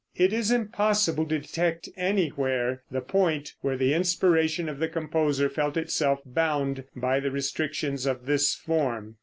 It is impossible to detect anywhere the point where the inspiration of the composer felt itself bound by the restrictions of this form.